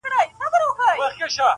له آشنا لاري به ولي راستنېږم؛